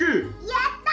やった！